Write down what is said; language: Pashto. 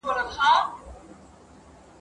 هغه زه یم چي په ټال کي پیغمبر مي زنګولی ..